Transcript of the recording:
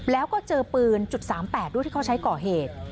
แล้วก็เจอปืน๓๘ด้วยที่เขาใช้ก่อเหตุ